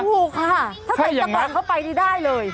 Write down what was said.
ถูกค่ะถ้าใส่จังหวะเข้าไปนี่ได้เลย